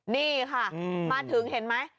นี่ค่ะมาถึงเห็นไหม